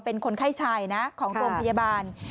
เป็นคนไข้ชายนะของโรงพยาบาล